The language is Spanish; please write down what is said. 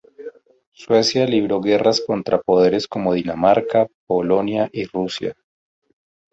Suecia libró guerras contra poderes como Dinamarca, Polonia y Rusia.